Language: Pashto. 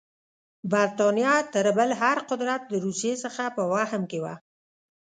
برټانیه تر بل هر قدرت د روسیې څخه په وهم کې وه.